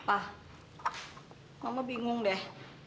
pak mama bingung deh